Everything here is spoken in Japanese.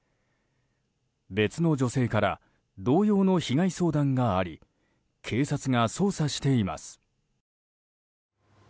別の女性から同様の被害相談があり、警察が捜査しています。